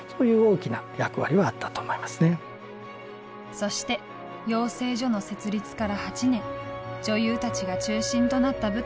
そして養成所の設立から８年女優たちが中心となった舞台が大ヒットを記録。